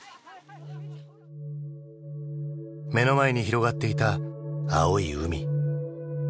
目の前に広がっていた青い海。